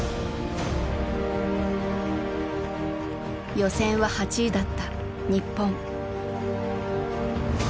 予選は８位だった日本。